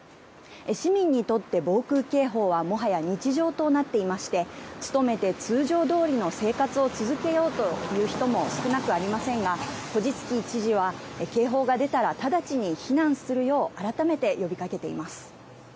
市民にとって防空警報は、もはや日常となっていまして、努めて通常どおりの生活を続けようという人も少なくありませんが、コジツキー知事は警報が出たら直ちに避難するよう改めて呼びかけ